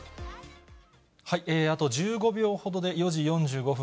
あと１５秒ほどで４時４５分、